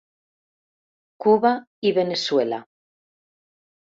Cuba i Veneçuela.